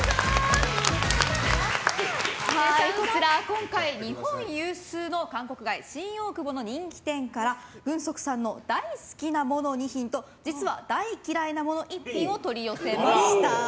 今回、日本有数の韓国街新大久保の人気店からグンソクさんの大好きなもの２品と実は大嫌いなもの１品を取り寄せました。